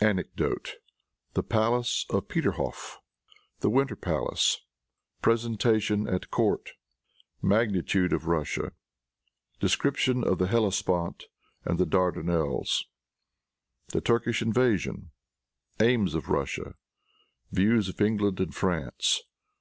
Anecdote. The Palace of Peterhoff. The Winter Palace. Presentation at Court. Magnitude of Russia. Description of the Hellespont and the Dardanelles. The Turkish Invasion. Aims of Russia. Views of England and France.